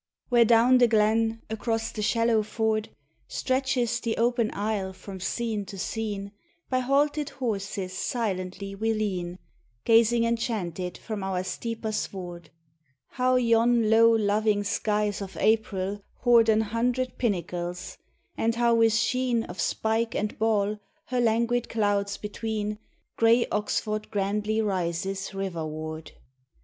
Where down the glen, across the shallow ford, Stretches the open aisle from scene to scene, By halted horses silently we lean, Gazing enchanted from our steeper sward. How yon low loving skies of April hoard An hundred pinnacles, and how with sheen Of spike and ball her languid clouds between, Grey Oxford grandly rises riverward!